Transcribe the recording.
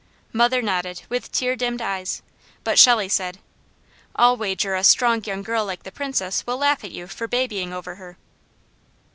Mother nodded with tear dimmed eyes, but Shelley said: "I'll wager a strong young girl like the Princess will laugh at you for babying over her."